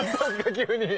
急に。